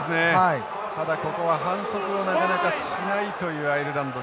ただここは反則をなかなかしないというアイルランド。